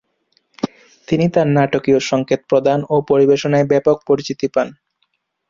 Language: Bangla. তিনি তার নাটকীয় সঙ্কেত প্রদান ও পরিবেশনায় ব্যাপক পরিচিতি পান।